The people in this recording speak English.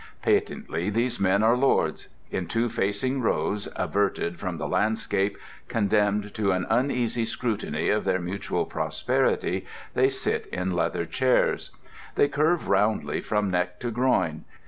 Patently these men are Lords. In two facing rows, averted from the landscape, condemned to an uneasy scrutiny of their mutual prosperity, they sit in leather chairs. They curve roundly from neck to groin.